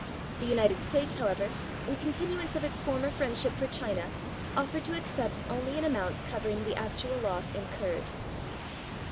The United States, however, in continuance of its former friendship for China, offered to accept only an amount covering the actual loss incurred.